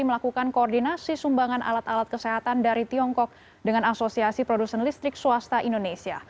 melakukan koordinasi sumbangan alat alat kesehatan dari tiongkok dengan asosiasi produsen listrik swasta indonesia